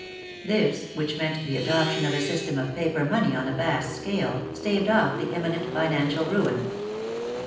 This, which meant the adoption of a system of paper money on a vast scale, staved off the imminent financial ruin.